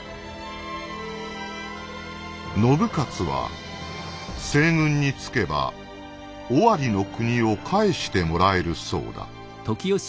「信雄は西軍につけば尾張国を返してもらえるそうだ」。